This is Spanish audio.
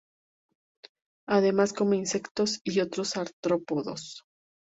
Además come insectos y otros artrópodos.